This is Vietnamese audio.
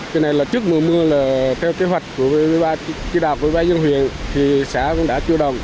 cái này là trước mùa mưa là theo kế hoạch của ủy ban nhân huyện thì xã cũng đã chủ động